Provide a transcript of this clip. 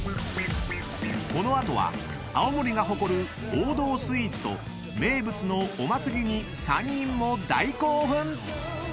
［この後は青森が誇る王道スイーツと名物のお祭りに３人も大興奮！］